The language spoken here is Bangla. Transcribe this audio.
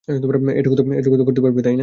এটুকু তো করতে পারবি, তাই না?